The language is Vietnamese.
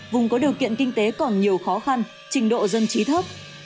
vùng có điều kiện kinh tế còn nhiều khó khăn trình độ dân trí thấp